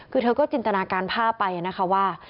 คือเธอก็จินตนาการภาพไปนะคะว่า